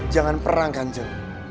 jangan perang kanjeng